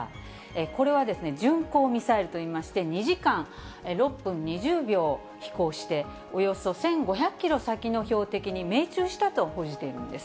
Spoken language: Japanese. これはですね、巡航ミサイルといいまして、２時間６分２０秒飛行して、およそ１５００キロ先の標的に命中したと報じているんです。